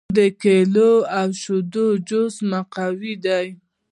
د کیلې او شیدو جوس مقوي دی.